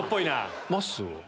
まっすーは？